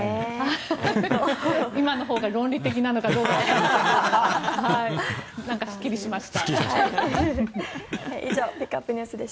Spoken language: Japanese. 今のほうが論理的なのかどうかわかりませんがなんかすっきりしました。